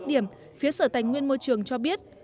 điểm phía sở tài nguyên môi trường cho biết